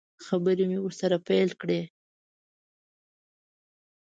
خبرې مې ورسره پیل کړې.